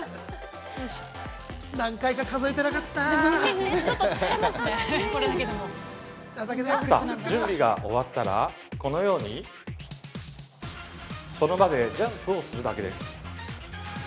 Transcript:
何回か数えてなかった◆準備が終わったらこのように、その場でジャンプをするだけです。